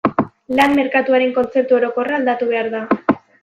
Lan merkatuaren kontzeptu orokorra aldatu behar da.